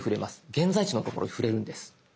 現在地の所に触れるんです。